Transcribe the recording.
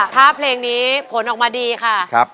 ถ้าเพลงนี้ผลออกมาดีค่ะ